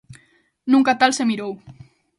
Nunca tal se mirou.